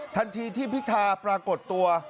ทันทีที่พิธาปรากฏตัว